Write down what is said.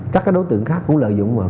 các cái đối tượng khác cũng lợi dụng vào